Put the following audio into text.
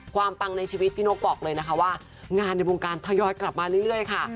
ปังในชีวิตพี่นกบอกเลยนะคะว่างานในวงการทยอยกลับมาเรื่อยค่ะ